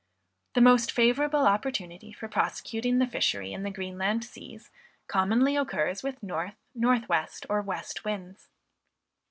The most favorable opportunity for prosecuting the fishery in the Greenland seas, commonly occurs with north, north west or west winds.